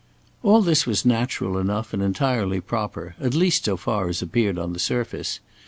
All this was natural enough and entirely proper, at least so far as appeared on the surface.